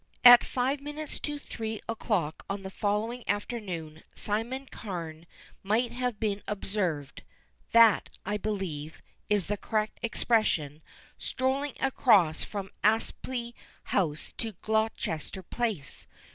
At five minutes to three o'clock on the following afternoon Simon Carne might have been observed that, I believe, is the correct expression strolling across from Apsley House to Gloucester Place.